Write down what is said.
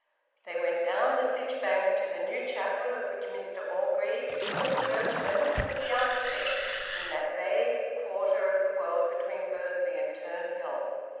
They went down the Sytch Bank to the new chapel of which Mr Orgreave, though a churchman, was the architect, in that vague quarter of the world between Bursley and Turnhill.